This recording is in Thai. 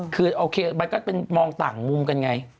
คือโอเคมันก็เป็นมองต่างมุมกันไง